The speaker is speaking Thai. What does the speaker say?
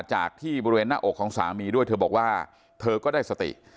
จากที่บริเวณหน้าอกของสามีด้วยเธอบอกว่าเธอก็ได้สติ